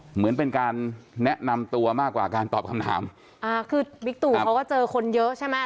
เหมือนเป็นการแนะนำตัวมากกว่าการตอบคำถามอ่าคือบิ๊กตู่เขาก็เจอคนเยอะใช่ไหม